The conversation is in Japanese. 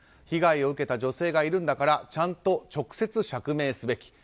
被害を受けた女性がいるんだからちゃんと直接釈明すべき。